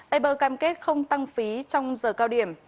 aber cam kết không tăng phí trong giờ cao điểm